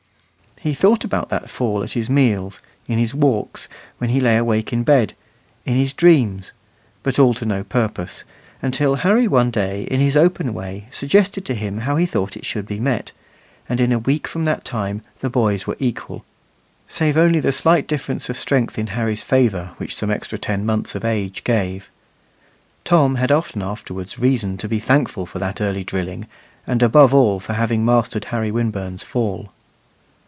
He thought about that fall at his meals, in his walks, when he lay awake in bed, in his dreams, but all to no purpose, until Harry one day in his open way suggested to him how he thought it should be met; and in a week from that time the boys were equal, save only the slight difference of strength in Harry's favour, which some extra ten months of age gave. Tom had often afterwards reason to be thankful for that early drilling, and above all, for having mastered Harry Winburn's fall.